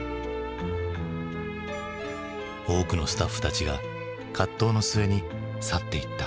多くのスタッフたちが葛藤の末に去っていった。